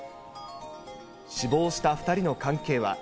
死亡した２人の関係は。